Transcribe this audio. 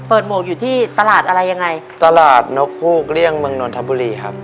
หมวกอยู่ที่ตลาดอะไรยังไงตลาดนกฮูกเกลี้ยงเมืองนนทบุรีครับ